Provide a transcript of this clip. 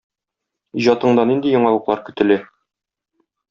Иҗатыңда нинди яңалыклар көтелә?